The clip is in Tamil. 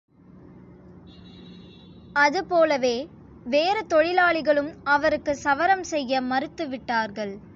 அதுபோலவே வேறு தொழிலாளிகளும் அவருக்கு சவரம் செய்ய மறுத்து விட்டார்கள்.